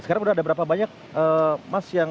sekarang sudah ada berapa banyak mas yang